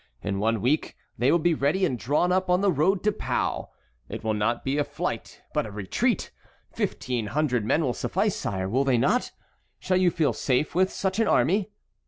In one week they will be ready and drawn up on the road to Pau. It will not be a flight but a retreat. Fifteen hundred men will suffice, sire, will they not? Shall you feel safe with such an army?"